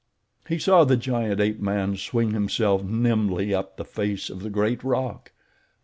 He saw the giant ape man swing himself nimbly up the face of the great rock.